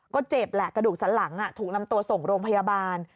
ก็เจ็บแหละกระดูกสันหลังถูกนำตัวส่งโรงพยาบาล